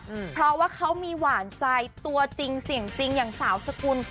อืมเพราะว่าเขามีหวานใจตัวจริงเสียงจริงอย่างสาวสกุล